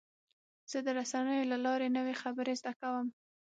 زه د رسنیو له لارې نوې خبرې زده کوم.